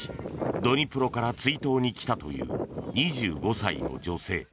ドニプロから追悼に来たという２５歳の女性。